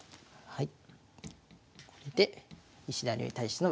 はい。